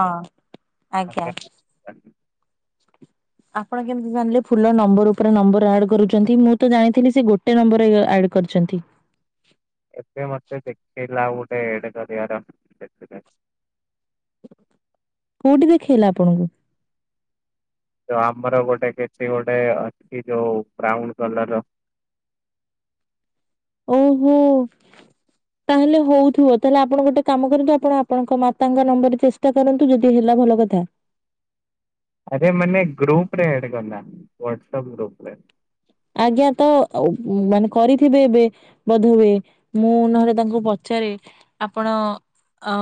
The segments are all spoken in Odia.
ହଁ ଆଜ୍ଞା। ଆପଣ କେମିତି ଜାଣିଲେ ଫୁଲ ନମ୍ବର ଉପରେ ନମ୍ବର ଆଡ୍ କରୁଛନ୍ତି। ମୁଁ ତ ଜାଣିଥିଲି ସେ ଗୋଟେ ନମ୍ବର ଆଡ୍ କରିଛନ୍ତି। ଏବେ ମତେ ଦେଖେଇଲା ଆଉ ଗୋଟେ। [unintelligible] କୋଉଠି ଦେଖେଇଲା ଆପଣଙ୍କୁ। ଯୋଉ ଆମର ଗୋଟେ କିଛି ଗୋଟେ ଅଛି ଯୋଉ ବ୍ରାଉନ କଲର ର। ଓହୋ। ତାହେଲେ ହଉଥିବ ତାହେଲେ ଆପଣ ଗୋଟେ କାମ କରନ୍ତୁ ଆପଣ ଆପଣଙ୍କ ମାତାଙ୍କ ନମ୍ବର ରେ ଚେଷ୍ଟା କରନ୍ତୁ ଯଦି ହେଲା ଭଲ କଥା। ଆରେ ମାନେ ଗ୍ରୁପ ରେ ଆଡ କଲା ହାୱଟସପ ଗ୍ରୁପରେ। ଆଜ୍ଞା ତ ମାନେ କରିଥିବେ ଏବେ? ବୋଧୋ ହୁଏ ମୁଁ ନହଲେ ତାଙ୍କୁ ପଚାରେ ଆପଣ ଅ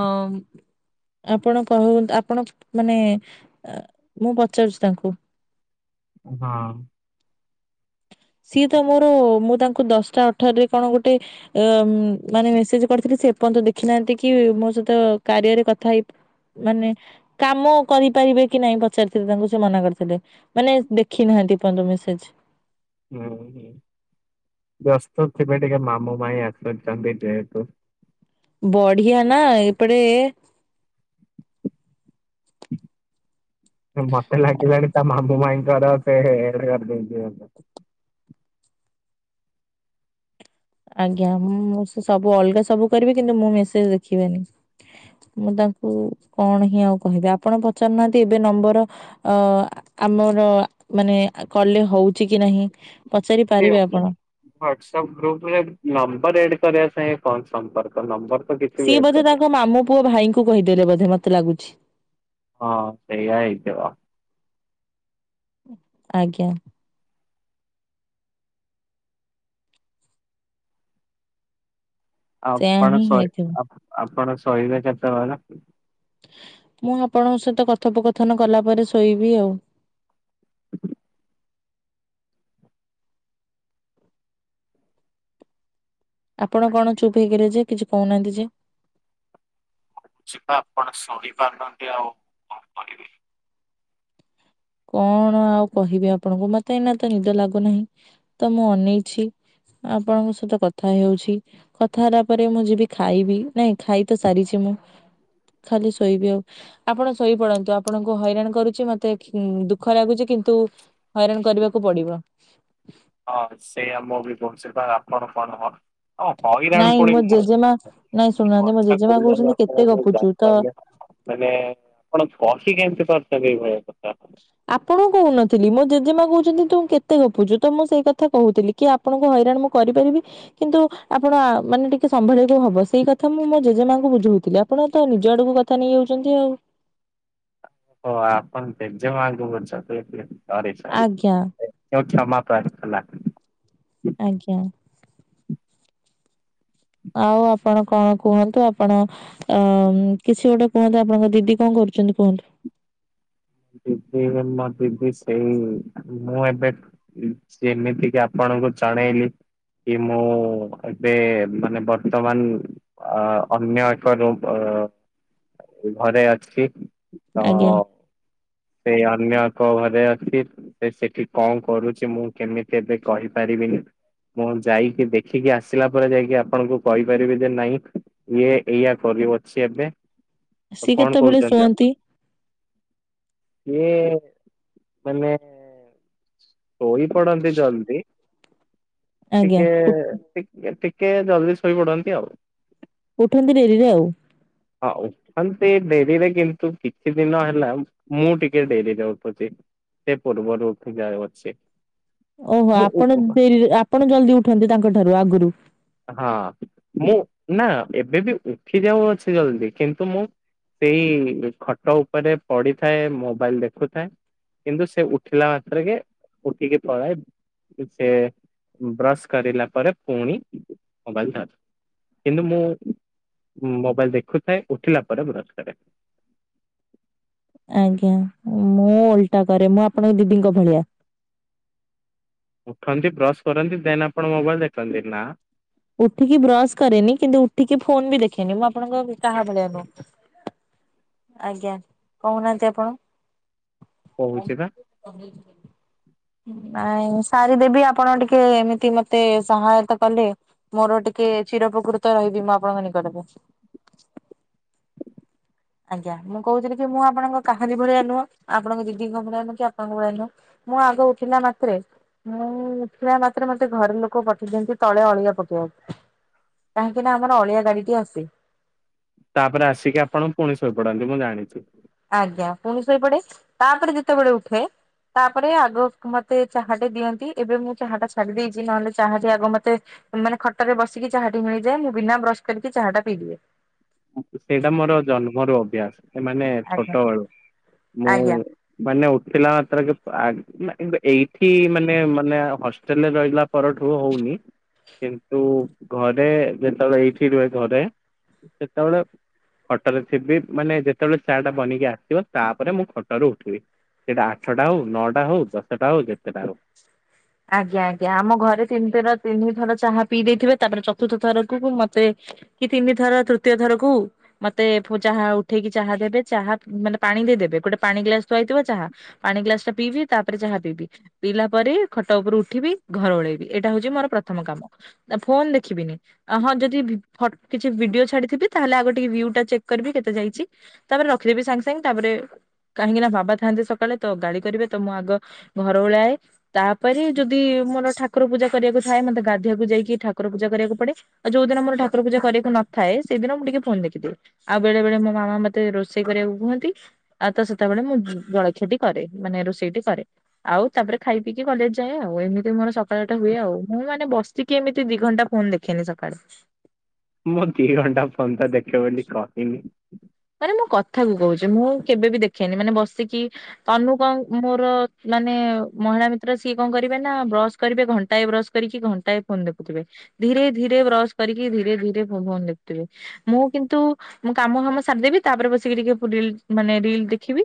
ଆପଣ କ ଆପଣ ମାନେ ମୁଁ ପଚାରୁଛି ତାଙ୍କୁ। ହଁ ସିଏ ତ ମୋର ମୁଁ ତାଙ୍କୁ ଦଶଟା ଅଠରରେ କଣ ଗୋଟେ ମାନେ ମେସେଜ କରିଥିଲି ସେ ଏପର୍ଯ୍ୟନ୍ତ ଦେଖିନାହାନ୍ତି କି ମୋ ସହିତ କାରିଅରେ କଥା ହେଇ ମାନେ କାମ କରିପାରିବେ କି ନାଇଁ ପଚାରିଥିଲେ ତାଙ୍କୁ ସେ ମନା କରିଥିଲେ? ମାନେ ଦେଖି ନାହାନ୍ତି ଏପନ୍ତ ମେସେଜ ହୁଁ ହୁଁ ବ୍ୟସ୍ତ ଥିବେ ଟିକେ ମାମୁଁ ମାଇଁ ଆସୁଛନ୍ତି ଯେହେତୁ। ବଢିଆ ନା ଏପଟେ ମତେ ଲାଗିଲାଣି ତା ମାମୁ ମାଇଁଙ୍କର [unintelligible] କରିଦେଇଛି ବୋଧେ। ଆଜ୍ଞା ମୁଁ ସବୁ ଅଲଗା ସବୁ କରିବେ କିନ୍ତୁ ମୁଁ ମେସେଜ ଦେଖିବେନି। ମୁଁ ତାଙ୍କୁ କଣ ହିଁ ଆଉ କହିବି ଆପଣ ପଚାରୁନାହାନ୍ତି ଏବେ ନମ୍ବର ଅ ଆମର ମାନେ କଲେ ହଉଛି କି ନାହିଁ। ପଚାରି ପାରିବେ ଆପଣ? ହାଟସଆପ୍ ଗ୍ରୁପରେ ନମ୍ବର ଏଡ୍ କରିବା ସାଙ୍ଗେ କଣ ସମ୍ପର୍କ ନମ୍ବର ତ କିଛି ସିଏ ବି ଏଡ ବୋଧେ କରିବ। ତାଙ୍କ ମାମୁଁ ପୁଅ ଭାଇଙ୍କୁ କୁ କହିଦେଲେ ବୋଧେ ମତେ ଲାଗୁଛି। ହଁ ସେଇଆ ହେଇଥିବ। ଆଜ୍ଞା। ସେୟା ଆପଣ ହିଁ ହେଇଥିବ। ଶହେ ଆପ ଆପଣ ଶୋଇବେ କେତେବେଳେ। ମୁଁ ଆପଣଙ୍କ ସହିତ କଥୋପକଥନ କଲା ପରେ ଶୋଇବି ଆଉ। ଆପଣ କଣ ଚୁପ୍ ହେଇକିରେ ଯେ କିଛି କହୁନାହାନ୍ତି ଯେ। ଯିବା ଆପଣ ଶୋଇପାରୁନାହାନ୍ତି ଆଉ କଣ କରିବି। କଣ ଆଉ କହିବି ଆପଣଙ୍କୁ ମତେ ଏଇନା ତ ନିଦ ଲାଗୁନାହିଁ ତ ମୁଁ ଅନେଇଛି। ଆପଣଙ୍କ ସହିତ କଥା ହେଇ ହୋଉଛି। କଥା ହେଲା ପରେ ମୁଁ ଯିବି ଖାଇବି ନାଇଁ ଖାଇ ତ ସାରିଛି ମୁଁ। ଖାଲି ଶୋଇବି ଆଉ ଆପଣ ଶୋଇପଡନ୍ତୁ ଆପଣଙ୍କୁ ହଇରାଣ କରୁଛି ମତେ ହୁଁ ଦୁଃଖ ଲାଗୁଛି କିନ୍ତୁ ହଇରାଣ କରିବାକୁ ପଡିବ। ହଁ ସେଇଆ ମୁଁ ବି କହୁଛି କଁ ଆପଣ କଣ ହ ହଁ ହଇରାଣ ନାଇଁ ପୁଣି ମୋ ମୁଁ ଜେଜେମା ନାଇଁ କି ଶୁଣୁନାହାନ୍ତି ମୋ କଥା ଜେଜେମା କୋହୁଚନ୍ତି କହୁଛନ୍ତି କେତେ ଆପଣ ମୁଁ ଗପୁଛୁ ତ ଜାଣିପାରୁନେଇଁ। ମାନେ ଆପଣ ବସି କେମିତି ପାରୁଛନ୍ତି ଏଇଭଳିଆ କଥା। ଆପଣଙ୍କୁ କହୁନଥିଲି ମୋ ଜେଜେମା କହୁଛନ୍ତି ତୁ କେତେ ଗପୁଛୁ ତ ମୁଁ ସେଇ କଥା କହୁଥିଲି। କି ଆପଣଙ୍କୁ ହଇରାଣ ମୁଁ କରିପାରିବି। କିନ୍ତୁ ଆପଣ ଆ ମାନେ ଟିକେ ସମ୍ଭାଳିବାକୁ ହବ ସେଇ କଥା ମୁଁ ମୋ ଜେଜେମାଙ୍କୁ ବୁଝଉଥିଲି ଆ ଆପଣ ତ ନିଜ ଆଡୁକୁ କଥା ନେଇଯାଉଚନ୍ତି ଆଉ। ଓହ ଆପଣ ଜେଜେମାଙ୍କୁ ବୁଝଉଥିଲେ ଥିଲେ ସରି ସରି। ଆଜ୍ଞା [unintelligible] କ୍ଷମା ପ୍ରାର୍ଥନା। ଆଜ୍ଞା। ଆଉ ଆପଣ କଣ କୁହନ୍ତୁ ଆପଣ ଅ କିଛି ଗୋଟେ କୁହନ୍ତୁ ଆପଣଙ୍କ ଦିଦି କଣ କରୁଚନ୍ତି କୁହନ୍ତୁ। ଦିଦି ମୋ ଦିଦି ସେଇ ମୁଁ ଏବେ ଯେମିତି କି ଆପଣଙ୍କୁ ଚଣେଇଲି। କି ମୋ ଏବେ ମାନେ ବର୍ତ୍ତମାନ ଅ ଅନ୍ୟ ଏକ ରୁମ ଅ ଘରେ ଅଛି। ତ ଆଜ୍ଞା ସେ ଅନ୍ୟ ଏକ ଘରେ ଅଛି ସେ ସେଠି କଣ କରୁଚି ମୁଁ କେମିତି ଏବେ କହିପାରିବିନି? ମୁଁ ଯାଇକି ଦେଖିକି ଆସିଲା ପରେ ଯାଇକି ଆପଣଙ୍କୁ କହିପାରିବି ଯେ ନାଇଁ ଇଏ ଏଇଆ କରି ଅଛି ଏବେ ଆଉ ତ ସିଏ କଣ କେତେବେଳେ କହୁଚନ୍ତି ଶୁଅନ୍ତି ଆପଣ? ଇଏ ମାନେ ଶୋଇପଡନ୍ତି ଜଲଦି ଆଜ୍ଞା ଟିକେ ଟିକେ ଟିକେ ଜଲଦି ଶୋଇପଡନ୍ତି ଆଉ। ଉଠନ୍ତି ଡେରିରେ ଆଉ। ଆଉ ହଁ ସେ ଡେରିରେ କିନ୍ତୁ କିଛି ଦିନ ହେଲା ମୁଁ ଟିକେ ଡେରିରେ ଉଠୁଚି। ସେ ପୂର୍ବରୁ ଉଠିକି ଆଉ ଅଛି। ଓହୋ ଆପଣ ଡେରିରେ ଆପଣ ଜଲଦି ଉଠନ୍ତି ତାଙ୍କ ଠାରୁ ଆଗୁରୁ। ହଁ ମୁଁ ନା ଏବେ ବି ଉଠି ଯାଉଅଛି ଜଲଦି କିନ୍ତୁ ମୁଁ ସେଇ ଖଟ ଉପରେ ପଡିଥାଏ ମୋବାଇଲ ଦେଖୁଥାଏ। କିନ୍ତୁ ସେ ଉଠିଲା ମାତ୍ରେକେ ଉଠିକି ପଳାଏ। ସେ ବ୍ରସ କରିଲା ପରେ ପୁଣି ମୋବାଇଲ ଧରେ। କିନ୍ତୁ ମୁଁ ମୋବାଇଲ ଦେଖୁଥାଏ ଉଠିଲା ପରେ ବ୍ରସ୍ କରେ। ଆଜ୍ଞା ମୁଁ ଓଲଟା କରେ ମୁଁ ଆପଣଙ୍କ ଦିଦିଙ୍କ ଭଳିଆ। ଉଠନ୍ତି ବ୍ରସ କରନ୍ତି ଦେନ୍ ଆପଣ ମୋବାଇଲ ଦେଖନ୍ତି ନା? ଉଠିକି ବ୍ରସ କରେନି କିନ୍ତୁ ଉଠିକି ଫୋନ ବି ଦେଖେନି ମୁଁ ଆପଣଙ୍କ କାହା ଭଳିଆ ନୁଅଁ। ଆଜ୍ଞା କହୁନାହାନ୍ତି ଆପଣ। କହୁଛି ବା ନାଇଁ ମୁଁ ସାରିଦେବି ଆପଣ ଟିକେ ଏମିତି ମତେ ସହାୟତା କଲେ। ମୋର ଟିକେ ଚିରପକୃତ ରହିବି ମୁଁ ଆପଣଙ୍କ ନିକଟରେ। ଆଜ୍ଞା ମୁଁ କହୁଥିଲି କି ମୁଁ ଆପଣଙ୍କ କାହାରି ଭଳିଆ ନୁହ ଆପଣଙ୍କ ଦିଦିଙ୍କ ଭଳିଆ ନୁଅ କି ଆପଣଙ୍କ ଭଳିଆ ନୁହ। ମୁଁ ଆଗ ଉଠିଲା ମାତ୍ରେ ମୁଁ ଉଠିବା ମାତ୍ରେ ମତେ ଘରେ ଲୋକ ପଠେଇ ଦିଅନ୍ତି ତଳେ ଅଳିଆ ପକେଇବାକୁ। କାହିଁକି ନା ଆମର ଅଳିଆ ଗାଡି ଟି ଆସୁଚି। ତାପରେ ଆସିକି ଆପଣ ପୁଣି ଶୋଇପଡନ୍ତି ମୁଁ ଜାଣିଛି। ଆଜ୍ଞା ପୁଣି ଶୋଇପଡେ ତାପରେ ଯେତେବେଳେ ଉଠେ। ତାପରେ ଆଗ ମତେ ଚାହାଟେ ଦିଅନ୍ତି ଏବେ ମୁଁ ଚାହା ଟା ଛାଡିଦେଇଚି ନହେଲେ ଚାହାଟି ଆଗ ମତେ। ମାନେ ଖଟରେ ବସିକି ଚାହା ଟି ମିଳିଯାଏ ମୁଁ ବିନା ବ୍ରସ କରିକି ଚାହାଟା ପିଇଦିଏ। ସେଇଟା ମୋର ଜନ୍ମରୁ ଅଭ୍ୟାସ ଏ ମାନେ ଆଜ୍ଞା ଛୋଟବେଳୁ ମୁଁ। ଆଜ୍ଞା। ମାନେ ଉଠିଲା ମାତ୍ରକେ ଆଗ କିନ୍ତୁ କିନ୍ତୁ ଏଇଠି ମାନେ ମାନେ ହଷ୍ଟେଲରେ ରହିଲା ପରଠୁ ହଉନି କିନ୍ତୁ ଘରେ ଯେତେବେଳେ ଏଇଠି ରୁହେ ଘରେ ସେତେଳେ ଖଟରେ ଥିବି ମାନେ ଯେତବଳେ ଚା ଟା ବନିକି ଆସିବ ତାପରେ ମୁଁ ଖଟ ରୁ ଉଠିବି। ସେଟା ଆଠଟା ହଉ ନଅଟା ହଉ ଦଶଟା ହଉ ଯେତେଟା ହଉ। ଆଜ୍ଞା ଆଜ୍ଞା ଆମ ଘରେ ତିନିଥର ତିନି ଥର ଚାହା ପିଇ ଦେଇଥିବେ। ତାପରେ ଚତୁର୍ଥ ଥରକୁ ମତେ କି ତିନି ଥର ତୃତୀୟ ଥରକୁ ମତେ ଫୁ ଚାହା ଉଠେଇକି ଚାହା ଦେବେ, ଚାହା ମାନେ ପାଣି ଦେଇଦେବେ ଗୋଟେ ପାଣି ଗ୍ଲାସ ଥୁଆହେଇଥିବ ଚାହା ପାଣି ଗ୍ଲାସ ଟା ପିଇବି, ତାପରେ ଚାହା ପିବି, ପିଇଲା ପରେ ଖଟ ଉପରୁ ଉଠିବି ଘର ଓଳେଇବି, ଏଇଟା ହଉଛି ମୋର ପ୍ରଥମ କାମ, ଫୋନ ଦେଖିବିନି। ଅ ହଁ ଯଦି ଭି ଫ କିଛି ଭିଡିଓ ଛାଡିଥିବି ତାହେଲେ ଆଗ ଟିକେ ଭିୟୁ ଟିକେ ଚେକ୍ କରିବି କେତେ ଯାଇଛି। ତା ପରେ ରଖି ଦେବି ସାଙ୍ଗେ ସାଙ୍ଗେ, ତା ପରେ କାହିଁକି ନା ବାବା ଥାଆନ୍ତି ସକାଳେ ତ ଗାଳି କରିବେ ତ ମୁଁ ଆଗ ଘର ଓଳାଏ। ତା ପରେ ଯଦି ମୋର ଠାକୁର ପୂଜା କରିବାକୁ ଥାଏ, ମତେ ଗାଧିଆକୁ ଯାଇକି ଠାକୁର ପୂଜା କରିବାକୁ ପଡେ। ଆଉ ଯୋଉଦିନ ମୋର ଠାକୁର ପୂଜା କରିବାକୁ ନଥାଏ, ସେଇଦିନ ମୁଁ ଟିକେ ଫୋନ ଦେଖିଦିଏ। ଆଉ ବେଳେ ବେଳେ ମୋ ମାମା ମତେ ରୋଷେଇ କରିବାକୁ କୁହନ୍ତି। ଆଉ ତ ସେତେବେଳେ ମୁଁ ଜଳଖିଆଟି କରେ, ମାନେ ରୋଷେଇଟି କରେ, ଆଉ ତାପରେ ଖାଇ କି କଲେଜ ଯାଏ ଆଉ, ଏମିତି ମୋର ସକାଳଟା ହୁଏ ଆଉ, ମୁଁ ମାନେ ବସିକି ଏମିତି ଦି ଘଣ୍ଟା ଫୋନ ଦେଖେନି ସକାଳୁ। ମୁଁ ଦି ଘଣ୍ଟା ଫୋନ ତ ଦେଖେ ବୋଲି କହିନି। ମାନେ ମୁଁ କଥା କୁ କହୁଛି, ମୁଁ କେବେ ବି ଦେଖେନି, ମାନେ ବସିକି ତନୁ କଣ ମୋର ମାନେ ମହିଳା ମିତ୍ର ସିଏ କଣ କରିବେ ନା ବ୍ରସ୍ କରିବେ ଘଣ୍ଟାଏ ବ୍ରସ୍ କରିକି, ଘଣ୍ଟାଏ ଫୋନ ଦେଖୁଥିବେ। ଧୀରେ ଧୀରେ ବ୍ରଶ କରିକି, ଧୀରେ ଧୀରେ ଫୋନ ଦେଖୁଥିବେ, ମୁଁ କିନ୍ତୁ, ମୁଁ କାମ ଫାମ ସାରିଦେବି, ତାପରେ ବସିକି ଟିକେ ରିଲ୍ ମାନେ ରିଲ ଦେଖିବି।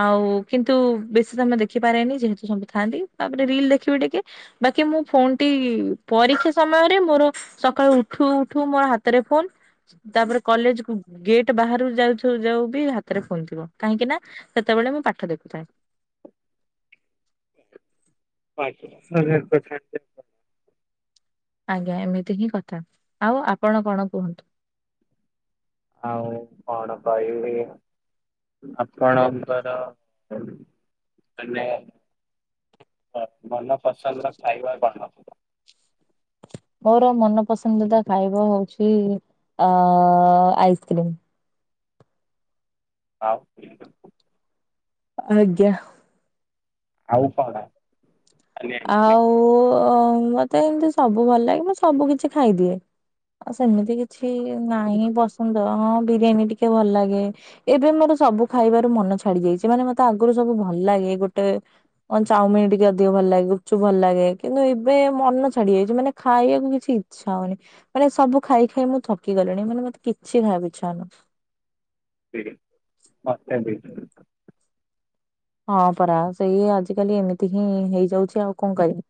ଆଉ କିନ୍ତୁ ବେଶୀ ସମୟ ଦେଖିପାରେନି, ଯେହେତୁ ସବୁ ଥାଆନ୍ତି ତାପରେ ରିଲ ଦେଖିବି ଟିକେ। ବାକି ମୁଁ ଫୋନ ଟି, ପରୀକ୍ଷା ସମୟରେ ମୋର ସକାଳୁ ଉଠୁ ଉଠୁ ମୋର ହାତରେ ଫୋନ, ତା ପରେ କଲେଜ ଗେଟ୍ ବାହାରୁ ଯାଉଥିବୁ ଯାଉ ବି ହାତରେ ଫୋନ୍ ଥିବ, କାହିଁକି ନା ସେତେବେଳେ ମୁଁ ପାଠ ଦେଖୁଥାଏ। [unintelligible] ଆଜ୍ଞା ଏମିତି ହିଁ କଥା, ଆଉ ଆପଣ କଣ କୁହନ୍ତୁ? ଆଉ କଣ କହିବି? ଆପଣଙ୍କର, ମାନେ ହ ମନ ପସନ୍ଦ ର ଖାଇବା କଣ? ମୋର ମନପସନ୍ଦିତା ଖାଇବା ହଉଛି, ଆଃ ଆଇସ୍କ୍ରିମ୍। ଆଉ ଆଜ୍ଞା। ଆଉ କହନା ଆଉ ଓଁ ମତେ ଏମିତି ସବୁ ଭଲ ଲାଗେ, ମୁଁ ସବୁ କିଛି ଖାଇଦିଏ। ଆ ସେମିତି କିଛି ନାହିଁ ପସନ୍ଦ, ହଁ ବିରିୟାନୀ ଟିକେ ଭଲ ଲାଗେ। ଏବେ ମୋର ସବୁ ଖାଇବାରୁ ମନ ଛାଡି ଯାଇଚି, ମାନେ ମତେ ଆଗରୁ ସବୁ ଭଲ ଲାଗେ ଗୋଟେ କଣ ଚାଉମିନ ଟିକେ ଅଧିକ ଭଲ ଲାଗେ। ଗୁପଚୁପ ଭଲ ଲାଗେ କିନ୍ତୁ ଏବେ ମନ ଛାଡି ଯାଇଛି, ମାନେ ଖାଇବାକୁ କିଛି ଇଚ୍ଛା ହଉନି। ମାନେ ସବୁ ଖାଇ ଖାଇ ମୁଁ ଥକି ଗଲିଣି, ମାନେ ମତେ କିଛି ଖାଇବାକୁଇଛାଉନି। [unintelligible] ମୋତେବି। ହଁ ପରା, ସେଇ ଆଜିକାଲି ଏମିତି ହିଁ ହେଇଯାଉଚି ଆଉ କଣ କରିବି?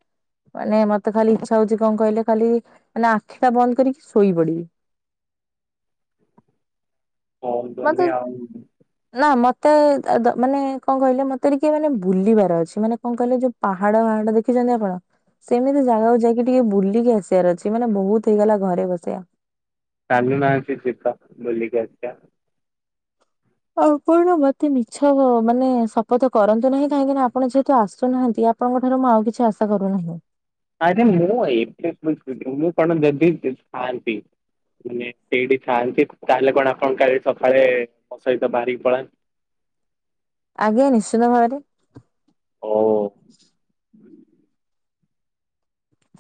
ମାନେ ମତେ ଖାଲି ଇଚ୍ଛା ହଉଛି କଣ କହିଲେ, ଖାଲି ମାନେ ଆଖି ଟା ବନ୍ଦ କରିକି ଶୋଇ ପଡିବି। ମତେ [unintelligible] ଆଉ ନା ମତେ ମାନେ କଣ କହିଲେ, ମତେ ଟିକେ ମାନେ ବୁଲିବାର ଅଛି, ମାନେ କଣ କହିଲେ ଯୋଉ ପାହାଡ ଫାହାଡ ଦେଖିଛନ୍ତି ଆପଣ। ସେମିତି ଜାଗାକୁ ଯାଇକି ଟିକେ ବୁଲିକି ଆସିବାର ଅଛି, ମାନେ ବହୁତ ହେଇଗଲା ଘରେ ବସିବା। ଚାଲୁନାହାନ୍ତି ଯିବା ବୁଲିକି ଆସିଆ। ଆପଣ ମତେ ମିଛ ମାନେ ଶପଥ କରନ୍ତୁ ନାହିଁ, କାହିଁକି ନା ଆପଣ ଯେହେତୁ ଆସୁନାହାନ୍ତି ତମଠାରୁ ମୁଁ ଆଉ କିଛି ଆଶା କରୁନାହିଁ। ଆରେ ମୁଁ ଏବେ ମୁଁ କଣ ଯଦି ଥାଆନ୍ତି? ମାନେ ସେଇଠି ଥାଆନ୍ତି, ତାହେଲେ କଣ ଆପଣ କାଲି ସକାଳେ ମୋସହିତ ବାହାରିକି ପଳାନ୍ତେ। ଆଜ୍ଞା ନିଶ୍ଚିିତ ଭାବରେ। ହୋଉ।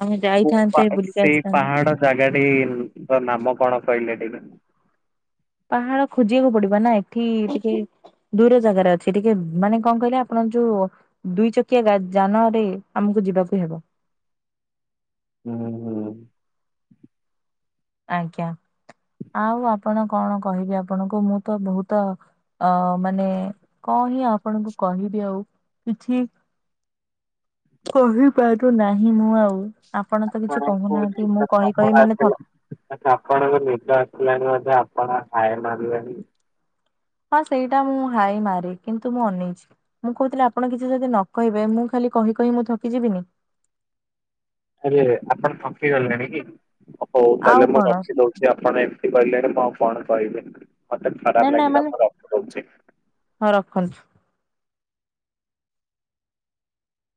ଆମେ ମୁ ପା ଯାଇଥାନ୍ତେ ବୁଲିକି ସେଇ ଆସିଥାନ୍ତେ। ପାହାଡ଼ ଜାଗାଟି ନାମ କଣ କହିଲେ ଟିକେ? ପାହାଡ଼ ଖୋଜିବାକୁ ପଡ଼ିବନା ଏଠି ଟିକେ ଦୂର ଜାଗାରେ ଅଛି ଟିକେ ମାନେ କଣ କହିଲେ ଆପଣ ଯୋଉ ଦୁଇ ଚକିଆ ଯାନରେ ଆମକୁ ଯିବାକୁ ହେବ। ହୁଁ ହୁଁ। ଆଜ୍ଞା। ଆଉ ଆପଣ କଣ କହିବି ଆପଣଙ୍କୁ ମୁଁତ ବହୁତ୍ ଅ ମାନେ କଣହିଁ ଆପଣଙ୍କୁ କହିବି ଆଉ କିଛି କହିପାରୁନାହିଁ ମୁଁ ଆଉ ଆପଣତ କିଛି କହୁନାହାନ୍ତି ମୁଁ କହି କହି ମାନେ ଥକି ଆଛା ଆପଣଙ୍କୁ ନିଦ ଆସିଲାଣିି ବୋଧେ ଆପଣ ହାଇ ମାରିଲେଣିି? ହଁ ସେଇଟା ମୁଁ ହାଇ ମାରେ କିନ୍ତୁ ମୁଁ ଅନେଇଛି। ମୁଁ କହୁଥିଲି ଆପଣ କିଛି ଯଦି ନକହିବେ ମୁଁ ଖାଲି କହି କହି ମୁଁ ଥକିଯିବିନି? ଆରେ ଆପଣ ଥକି ଗଲେଣିକି ହଉ ଆଉ ତାହେଲେ ମୁଁ କଣ ରଖିଦଉ ଆପଣ ଏମିତି କହିଲେଣି ମୁଁ ଆଉ କଣ କହିବି ମତେ ନା ଖରାପ୍ ନା ଲାଗିଲା ମାନେ ମୁଁ ରଖିଦଉଛି। ହଁ ରଖନ୍ତୁ।